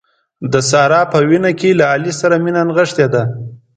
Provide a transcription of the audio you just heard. د سارې په وینه کې له علي سره مینه نغښتې ده.